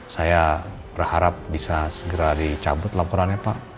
saya berharap bisa segera dicabut laporannya pak